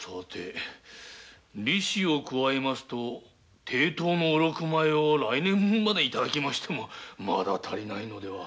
利子を加えますと抵当の御禄米を来年分まで頂きましてもまだ足りないのでは。